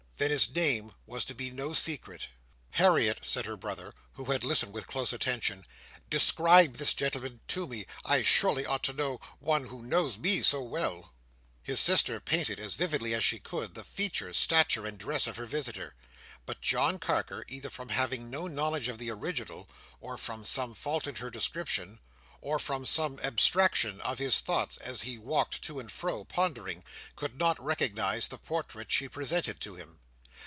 Then his name was to be no secret." "Harriet," said her brother, who had listened with close attention, "describe this gentleman to me. I surely ought to know one who knows me so well." His sister painted, as vividly as she could, the features, stature, and dress of her visitor; but John Carker, either from having no knowledge of the original, or from some fault in her description, or from some abstraction of his thoughts as he walked to and fro, pondering, could not recognise the portrait she presented to him.